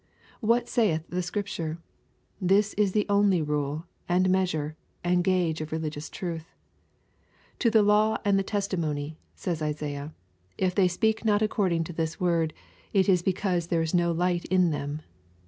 What saith the Scripture ? This is the only rule, and measure, and guage of religious truth. '^ To the law and to the testimony,^' says Isaiah, ^^ if they speak not according to this word, it is because there is no light in them."